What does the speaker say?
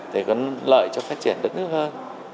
thì có lợi cho phát triển đất nước hơn